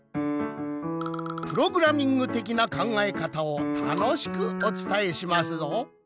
プログラミング的な考えかたをたのしくおつたえしますぞ。